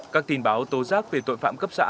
các tin báo tố giác về tội phạm cấp xã